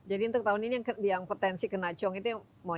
jadi untuk tahun ini yang potensi kena ciong itu